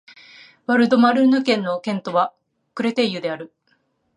ヴァル＝ド＝マルヌ県の県都はクレテイユである